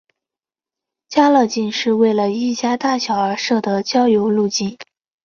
家乐径是为了一家大小而设的郊游路径。